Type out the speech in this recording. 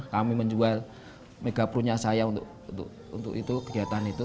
kami menjual mega pro nya saya untuk itu kegiatan itu